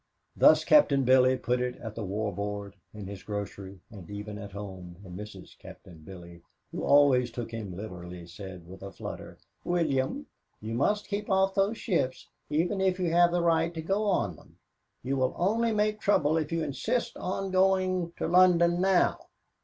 Thus Captain Billy put it at the War Board, in his grocery, and even at home, where Mrs. Captain Billy, who always took him literally, said, with a flutter, "William, you must keep off those ships, even if you have the right to go on them. You will only make trouble if you insist on going to London now."